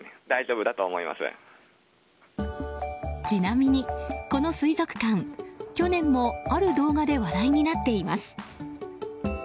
ちなみに、この水族館去年もある動画で話題になっています。